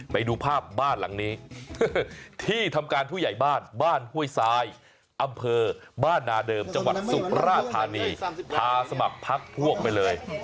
ไปดูภาพบ้านหลังนี้ที่ทำการผู้ใหญ่บ้านบ้านห้วยทรายอำเภอบ้านนาเดิมจังหวัดสุราธานีพาสมัครพักพวกไปเลย